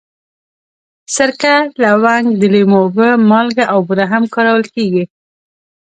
سرکه، لونګ، د لیمو اوبه، مالګه او بوره هم کارول کېږي.